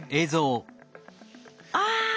あ！